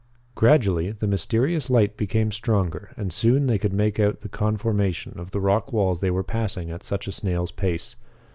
Gradually the mysterious light became stronger and soon they could make out the conformation of the rock walls they were passing at such a snail's pace.